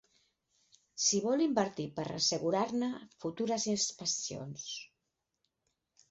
S’hi vol invertir per assegurar-ne futures expansions.